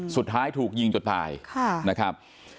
สุดท้ายถูกยิงจนตายนะครับ